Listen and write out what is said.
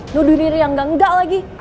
nuduh riri yang gak enggak lagi